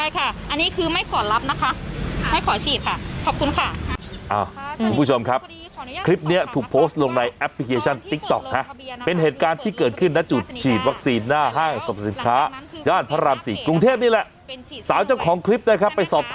คุณพี่มีความรู้สึกแบบไหนในการประกาศในการรับประมาณอะไรของพี่